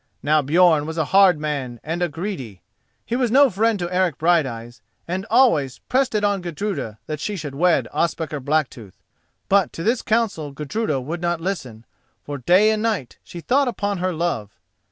Now Björn was a hard man and a greedy. He was no friend to Eric Brighteyes, and always pressed it on Gudruda that she should wed Ospakar Blacktooth. But to this counsel Gudruda would not listen, for day and night she thought upon her love.